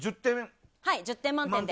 １０点満点で。